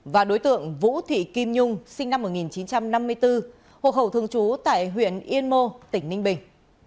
và đối tượng vũ thị kim nhung sinh năm một nghìn chín trăm năm mươi bốn hộ khẩu thường trú tại huyện yên mô tỉnh ninh bình